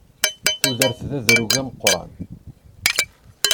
Tudert d adrug ameqqran.